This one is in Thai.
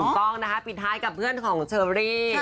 ต้องนะคะปิดท้ายกับเพื่อนของเชอรี่